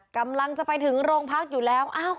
กำลังจะไปถึงโรงพักอยู่แล้ว